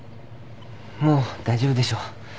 もう大丈夫でしょう。